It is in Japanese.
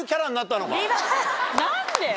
何で？